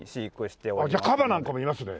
じゃあカバなんかもいますね？